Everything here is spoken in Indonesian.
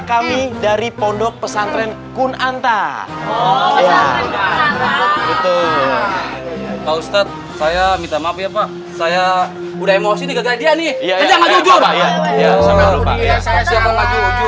kami dari pondok pesantren kunanta oh betul betul saya minta maaf ya pak saya udah emosi dia nih